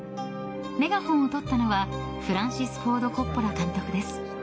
メガホンをとったのはフランシス・フォード・コッポラ監督です。